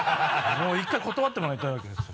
もう１回断ってもらいたいわけですよ。